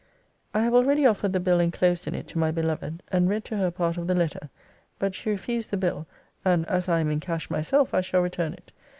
I have already offered the bill enclosed in it to my beloved; and read to her part of the letter. But she refused the bill: and, as I am in cash myself, I shall return it.